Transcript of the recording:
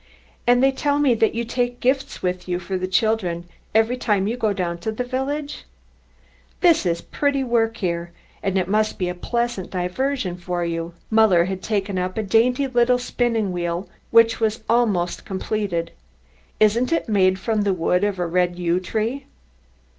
"And they tell me that you take gifts with you for the children every time you go down to the village. This is pretty work here, and it must be a pleasant diversion for you." Muller had taken up a dainty little spinning wheel which was almost completed. "Isn't it made from the wood of a red yew tree?"